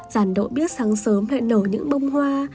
ràn đậu biếc sáng sớm lại nở những bông hoa